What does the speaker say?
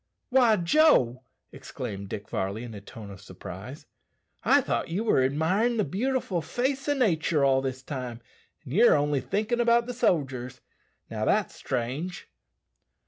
"Why, Joe!" exclaimed Dick Varley in a tone of surprise, "I thought you were admirin' the beautiful face o' nature all this time, and ye're only thinkin' about the sodgers. Now, that's strange!"